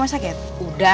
bisa takut cantum